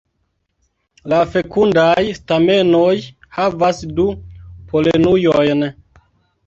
La fekundaj stamenoj havas du polenujojn.